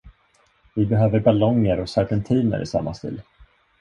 Vi behöver ballonger och serpentiner i samma stil.